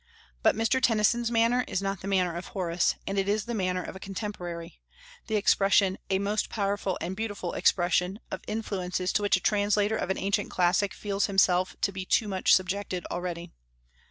But Mr. Tennyson's manner is not the manner of Horace, and it is the manner of a contemporary; the expression a most powerful and beautiful expression of influences to which a translator of an ancient classic feels himself to be too much subjected already.